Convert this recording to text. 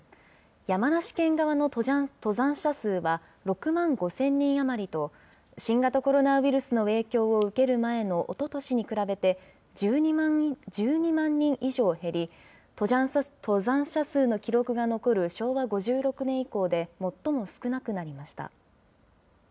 山梨県側の登山者数は６万５０００人余りと、新型コロナウイルスの影響を受ける前のおととしに比べて、１２万人以上減り、登山者数の記録が残る昭和５６年以降で最も少なくなりました。